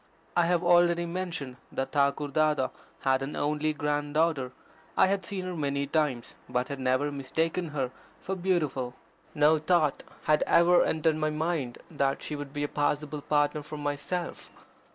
I have already mentioned that Thakur Dada had an only grand daughter. I had seen her many times, but had never mistaken her for beautiful. No thought had ever entered my mind that she would be a possible partner for myself.